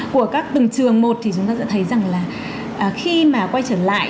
của các từng trường một thì chúng ta sẽ thấy rằng là khi mà quay trở lại